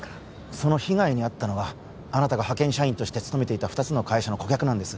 その被害に遭ったのはあなたが派遣社員として勤めていた二つの会社の顧客です